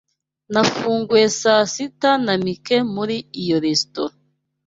Nafunguye saa sita na Mike muri iyo resitora.